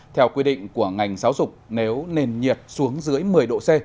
theo quy định của ngành giáo dục nếu nền nhiệt xuống dưới một mươi độ c